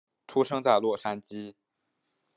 出生在洛杉矶。